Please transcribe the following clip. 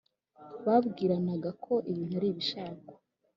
babwiranaga ko ibintu ari ibishakwa